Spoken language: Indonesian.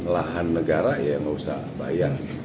lahan negara ya nggak usah bayar